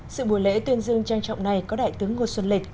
sự buổi lễ tuyên dương trang trọng này có đại tướng ngô xuân lịch